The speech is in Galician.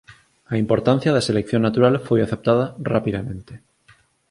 A importancia da selección natural foi aceptada rapidamente